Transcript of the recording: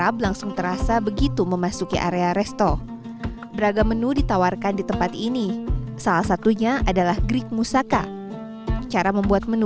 beragam menu ditawarkan di tempat ini salah satunya adalah greek musaka cara membuat menu